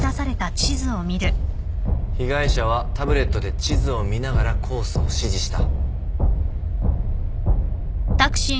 被害者はタブレットで地図を見ながらコースを指示した。